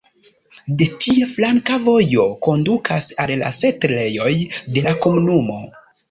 De tie flanka vojo kondukas al la setlejoj de la komunumo.